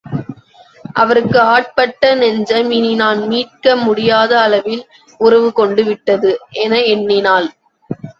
அவருக்கு ஆட்பட்ட நெஞ்சம் இனி நான் மீட்க முடியாத அளவில் உறவுகொண்டு விட்டது. என எண்ணினாள்.